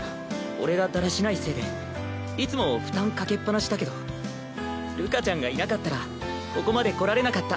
俺がだらしないせいでいつも負担かけっぱなしだけどるかちゃんがいなかったらここまで来られなかった。